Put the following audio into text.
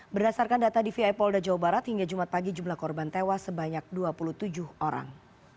berdasarkan data dvi polda jawa barat hingga jumat pagi jumlah korban tewas sebanyak dua puluh tujuh orang